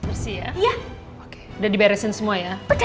udah diberesin semua ya